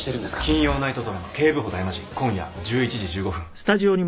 「金曜ナイトドラマ『警部補ダイマジン』今夜１１時１５分」